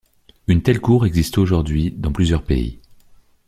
Une telle cour existe aujourd'hui dans plusieurs pays.